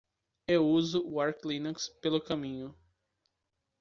Eu uso o Arch Linux pelo caminho.